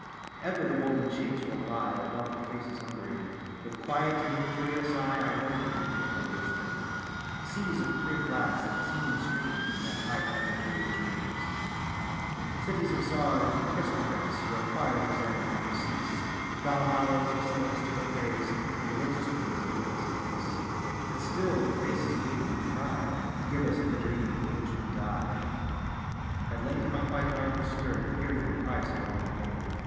Ever the woven shapes rolled by Above the faces hungering. With quiet and incurious eye I noted many a wondrous thing, Seas of clear glass, and singing streams, In that high pageantry of dreams; Cities of sard and chrysoprase Where choired Hosannas never cease; Valhallas of celestial frays, And lotus pools of endless peace; But still the faces gaped and cried "Give us the dream for which we died!" At length my quiet heart was stirred, Hearing them cry so long in vain.